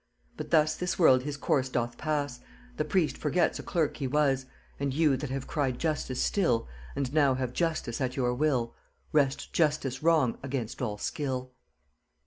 But thus this world his course doth pass, The priest forgets a clerk he was, And you that have cried justice still, And now have justice at your will, Wrest justice wrong against all skill.